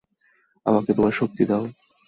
আমাকে তোমার শক্তি দাও।